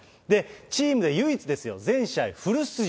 チームで唯一ですよ、全試合フル出場。